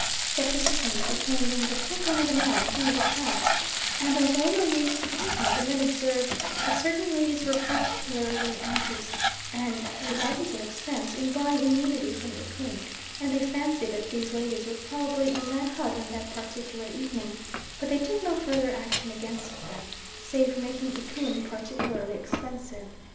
Scepticism became in the twinkling of an eye a thing of the past; and, although no names were taken, the men observed that certain ladies were particularly anxious, and regardless of expense, in buying immunity from Ikun, and they fancied that these ladies were probably in that hut on that particular evening, but they took no further action against them, save making Ikun particularly expensive.